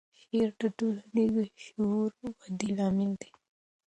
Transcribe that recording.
شعر د ټولنیز شعور ودې لامل دی.